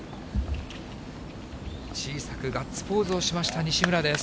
小さくガッツポーズをしました、西村です。